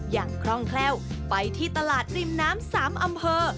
อย่างคร่องแคลวไปที่ตลาดริมน้ำสามอำเภอ